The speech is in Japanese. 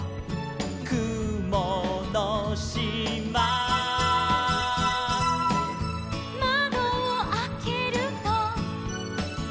「くものしま」「まどをあけると」